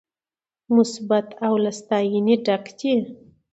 مثبت او له ستاينې ډک دي